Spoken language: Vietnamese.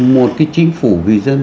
một cái chính phủ vì dân